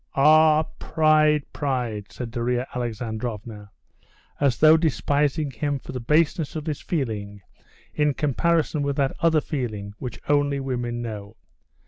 "Ah, pride, pride!" said Darya Alexandrovna, as though despising him for the baseness of this feeling in comparison with that other feeling which only women know.